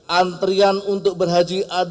dan kota tersebut